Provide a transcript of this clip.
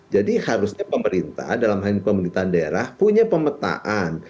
jadi harusnya pemerintah dalam hal pemerintahan daerah punya pemetaan